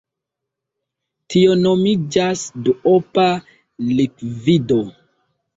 Tio nomiĝas "duopa likvido".